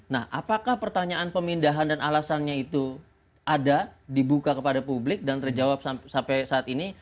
nah apakah pertanyaan pemindahan dan alasannya itu ada dibuka kepada publik dan terjawab sampai saat ini